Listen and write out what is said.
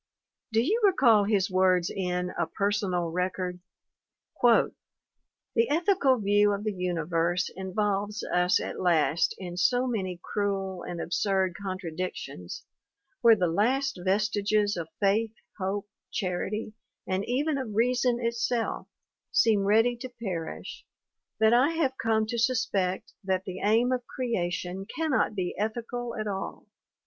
Do you recall his words in A Personal Record ? "The ethical view of the universe involves us at last in so many cruel and absurd contradictions, where the last vestiges of faith, hope, charity, and even of reason itself, seem ready to perish, that I have come to sus pect that the aim of creation cannot be ethical at all.